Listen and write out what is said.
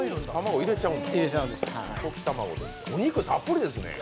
お肉たっぷりですね。